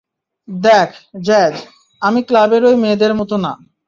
দেখ, জ্যাজ, আমি ক্লাবের ওই মেয়েদের মতো না।